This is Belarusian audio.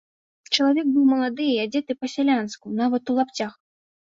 Чалавек быў малады і адзеты па-сялянску, нават у лапцях.